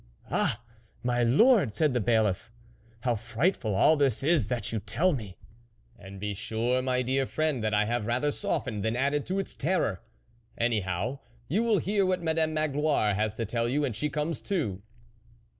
" Ah ! my lord !" said the Bailiff, " how frightful all this is that you tell me." " And be sure, my dear friend, that I have rather softened than added to its terror ; anyhow, you will hear what Madame Magloire has to tell you when she comes to. ."